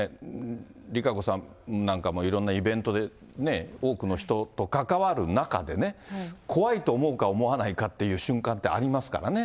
ＲＩＫＡＣＯさんなんかも、いろんなイベントでね、多くの人と関わる中でね、怖いと思うか、思わないかという瞬間ってありますからね。